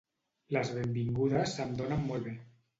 Les benvingudes se'm donen molt bé.